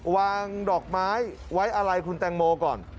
วางดอกไม้ไว้อะไรคุณแตงโมก่อน